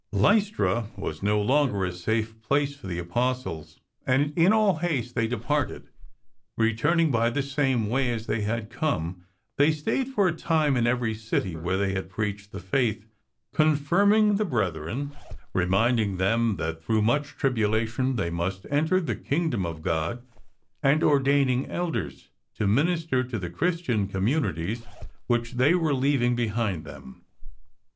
Lystra was no longer a safe place for the Apostles, and in all haste they departed. Returning by the same way as they had come, they stayed for a time in every city where they had preached the Faith, confirming the brethren, reminding them that through much tribulation they must enter the Kingdom of God, and ordaining Elders to minister to the Christian communities which they were leav ing behind them.